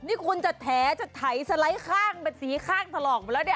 นี่คุณจะแถจะไถสไลด์ข้างเป็นสีข้างถลอกไปแล้วเนี่ย